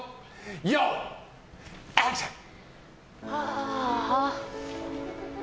用意、アクション！